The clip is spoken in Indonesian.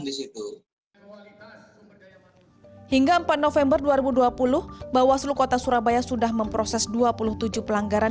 disitu hingga empat november dua ribu dua puluh bahwa seluruh kota surabaya sudah memproses dua puluh tujuh pelanggaran